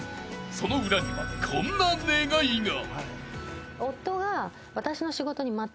［その裏にはこんな願いが］